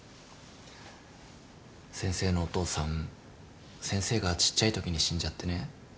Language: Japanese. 先生のお父さん先生がちっちゃいときに死んじゃってね。